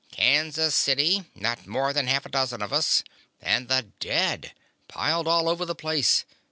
"... Kansas City. Not more than half a dozen of us. And the dead! Piled all over the place.